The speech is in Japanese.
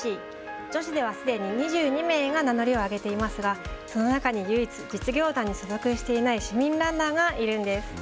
女子ではすでに２２名が名乗りを上げていますが、その中に唯一、実業団に所属していない市民ランナーがいるんです。